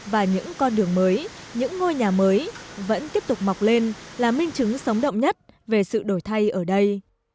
và những con đường mới những ngôi nhà mới vẫn tiếp tục mọc lên là minh chứng sống động nhất về sự đổi thay ở đây